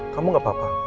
kamu gak apa apa